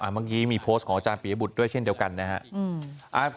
เมื่อกี้มีโพสต์ของอาจารย์ปียบุตรด้วยเช่นเดียวกันนะครับ